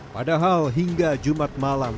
padahal hingga jumat malam